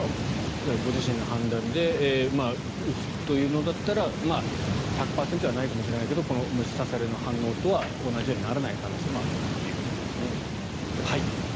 じゃあ、ご自身の判断で打つというのだったら１００％じゃないかもしれないけど虫刺されの反応とは同じようにならない可能性もあるということですね。